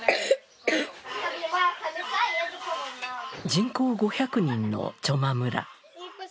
人口５００人のチョマ村。